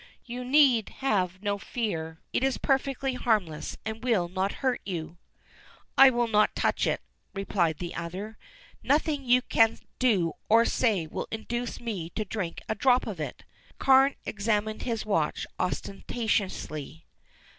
"You need have no fear. It is perfectly harmless, and will not hurt you." "I will not touch it," replied the other. "Nothing you can do or say will induce me to drink a drop of it." Carne examined his watch ostentatiously.